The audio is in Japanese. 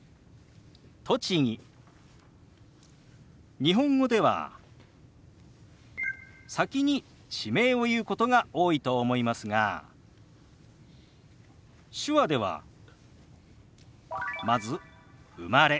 日本語では先に地名を言うことが多いと思いますが手話ではまず「生まれ」。